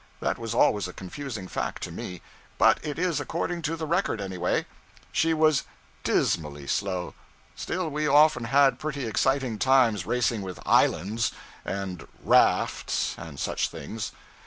That was always a confusing fact to me, but it is according to the record, any way. She was dismally slow; still, we often had pretty exciting times racing with islands, and rafts, and such things.